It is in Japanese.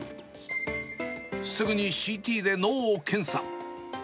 すぐにＣＴで脳を検査。